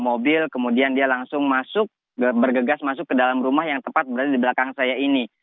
mobil kemudian dia langsung masuk bergegas masuk ke dalam rumah yang tepat berada di belakang saya ini